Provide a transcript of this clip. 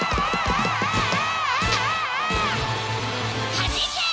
「はじけ！」